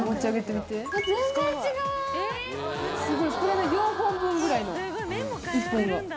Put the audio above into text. すごいこれで４本分ぐらいの１本が。